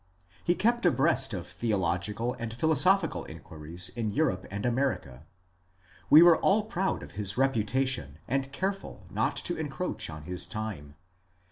He kept abreast of theological and philosophical inquiries in Europe and America. We were all proud of his reputation and careful not to encroach on his time.